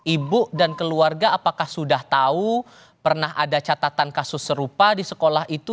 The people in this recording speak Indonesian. ibu dan keluarga apakah sudah tahu pernah ada catatan kasus serupa di sekolah itu